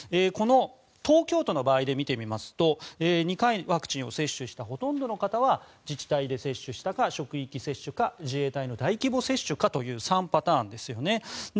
この東京都の場合で見てみますと２回ワクチンを接種したほとんどの方は自治体で接種したか職域接種か自衛隊の大規模接種かという３パターンですよね。